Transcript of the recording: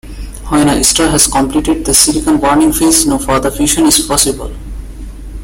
When a star has completed the silicon-burning phase, no further fusion is possible.